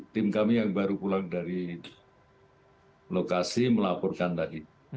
tim kami yang baru pulang dari lokasi melaporkan tadi